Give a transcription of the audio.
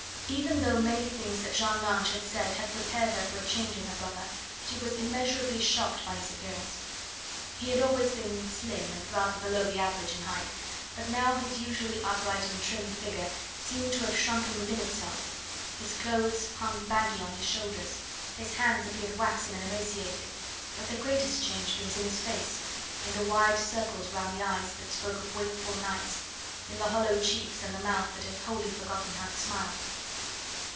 Even though many things that Jeanne Lange had said had prepared her for a change in her brother, she was immeasurably shocked by his appearance. He had always been slim and rather below the average in height, but now his usually upright and trim figure seemed to have shrunken within itself; his clothes hung baggy on his shoulders, his hands appeared waxen and emaciated, but the greatest change was in his face, in the wide circles round the eyes, that spoke of wakeful nights, in the hollow cheeks, and the mouth that had wholly forgotten how to smile.